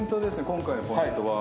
今回のポイントは？